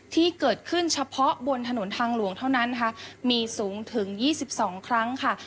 ที่เกิดขึ้นเฉพาะบนถนนทางหลวงเท่านั้นนะคะมีสูงถึง๒๒ครั้งค่ะ